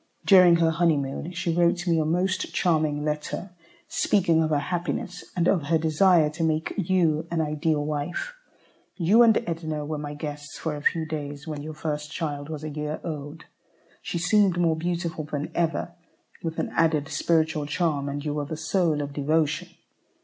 During her honeymoon, she wrote me a most charming letter speaking of her happiness, and of her desire to make you an ideal wife. You and Edna were my guests for a few days when your first child was a year old. She seemed more beautiful than ever, with an added spiritual charm, and you were the soul of devotion.